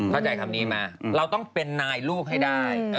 เข้าใจคำนี้มาเราต้องเป็นนายลูกให้ได้